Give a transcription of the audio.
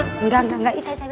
enggak enggak enggak